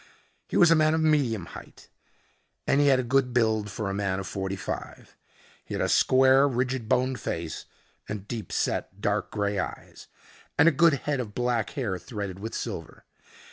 He was a man of medium height and he had a good build for a man of forty five. He had a square, rigid boned face, and deep set dark grey eyes, and a good head of black hair threaded with silver.